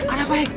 ada apa hei